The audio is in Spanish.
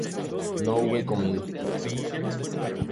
No hube comido